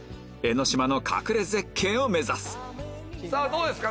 江の島の隠れ絶景を目指すどうですか？